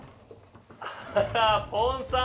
あポンさん。